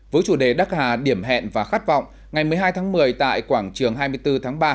với chủ đề đắc hà điểm hẹn và khát vọng ngày một mươi hai tháng một mươi tại quảng trường hai mươi bốn tháng ba